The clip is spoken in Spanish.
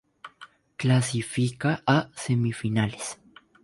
Clasifica a semifinales.